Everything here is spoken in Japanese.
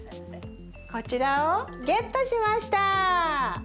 こちらをゲットしました！